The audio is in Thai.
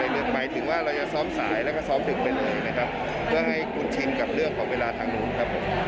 หมายถึงว่าเราจะซ้อมสายแล้วก็ซ้อมตึกไปเลยนะครับก็ให้คุณชินกับเรื่องของเวลาทางนู้นครับ